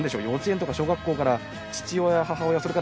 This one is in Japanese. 幼稚園とか小学校から父親母親